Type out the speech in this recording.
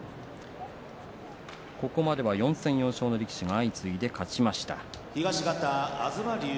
ここまでは４戦４勝の力士が相次いで勝ちました。